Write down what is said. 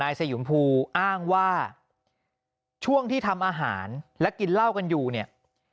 สยุมภูอ้างว่าช่วงที่ทำอาหารและกินเหล้ากันอยู่เนี่ย